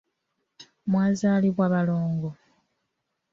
Mwazaalibwa balongo!